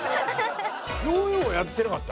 ヨーヨーはやってなかった？